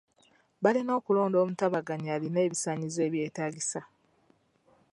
Balina okulonda omutabaganya ayina ebisaanyizo ebyetaagisa.